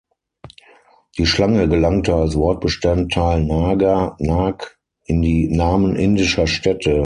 Die Schlange gelangte als Wortbestandteil „Naga“, „Nag“ in die Namen indischer Städte.